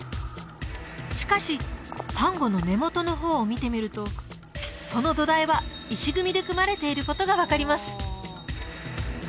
しかしサンゴの根元の方を見てみるとその土台は石組みで組まれていることが分かります